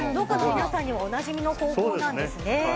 皆さんにはおなじみの方法なんですね。